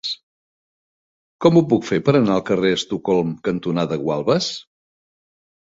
Com ho puc fer per anar al carrer Estocolm cantonada Gualbes?